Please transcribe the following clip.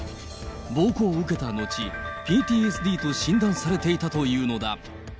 暴行を受けた後、ＰＴＳＤと診断されていたというのだ。